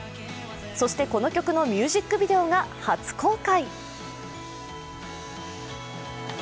そしてこの曲のミュージックビデオが初公開。